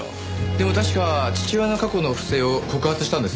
でも確か父親の過去の不正を告発したんですよね？